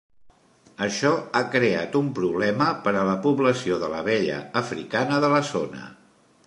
Això ha creat un problema per a la població de l'abella africana de la zona.